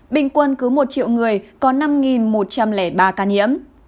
bình quân cứ một triệu người có năm một trăm linh ba ca nhiễm